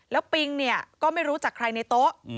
แล้วปิงเนี่ยก็ไม่รู้จักใครในโต๊ะ